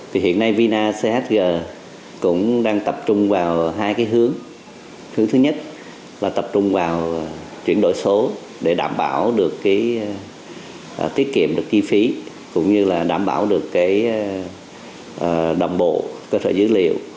thứ nhất là tập trung vào chuyển đổi số để đảm bảo được tiết kiệm được kỳ phí cũng như là đảm bảo được đồng bộ cơ sở dữ liệu